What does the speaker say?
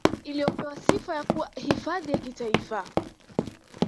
Iliyopewa sifa ya kuwa hifadhi ya Kitaifa